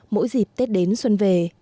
mỗi dịp tết đến xuân về